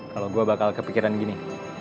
kalo gua bakal kepikiran gini